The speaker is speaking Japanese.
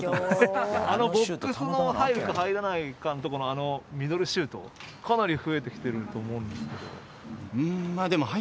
ボックスの入るか入らないかのとこのあのミドルシュートかなり増えてきてると思うんですけど。